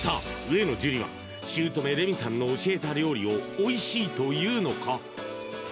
上野樹里は姑・レミさんの教えた料理をおいしいと言うのか